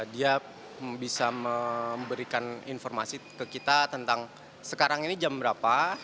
dia bisa memberikan informasi ke kita tentang sekarang ini jam berapa